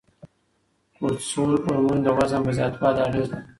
کورتسول هورمون د وزن په زیاتوالي اغیز لري.